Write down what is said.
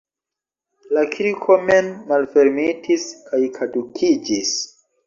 La kirko mem malfermitis kaj kadukiĝis.